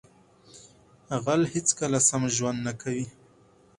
غل هیڅکله سم ژوند نه کوي